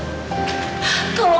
tapi gue hantar rukun